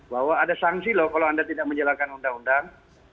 bahwa ada sanksi loh kalau anda tidak menjalankan undang undang